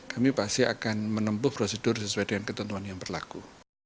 kami pasti akan menempuh prosedur sesuai dengan ketentuan yang berlaku